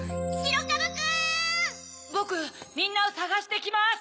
ぼくみんなをさがしてきます。